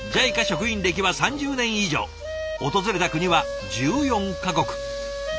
ＪＩＣＡ職員歴は３０年以上訪れた国は１４か国。